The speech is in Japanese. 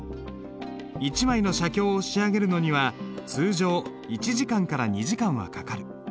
一枚の写経を仕上げるのには通常１時間から２時間はかかる。